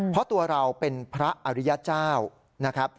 เพราะตัวเราเป็นพระอริยเจ้านะครับ